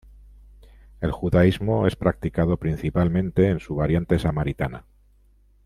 El judaísmo es practicado principalmente en su variante samaritana.